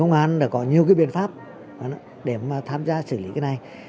chúng ta cần phải có những cái lý pháp để mà tham gia xử lý cái này